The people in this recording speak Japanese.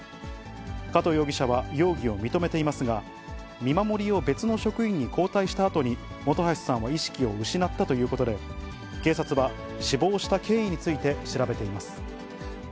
加藤容疑者は容疑を認めていますが、見守りを別の職員に交代したあとに、本橋さんが意識を失ったということで、警察は、死亡した経緯について調べています。